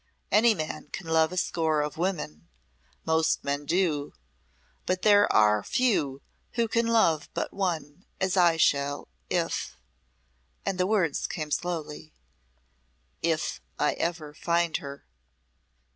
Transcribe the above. Any man can love a score of women most men do but there are few who can love but one, as I shall, if " and the words came slowly "if I ever find her."